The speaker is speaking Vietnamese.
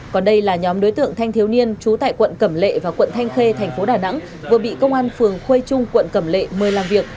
còn đây là nhóm đối tượng thanh thiếu niên trú tại quận cẩm lệ và quận thanh khê thành phố đà nẵng vừa bị công an phường khuê trung quận cẩm lệ mời làm việc